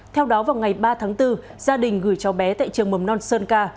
theo đó vào ngày ba tháng bốn gia đình gửi cho bé tại trường mầm non sơn ca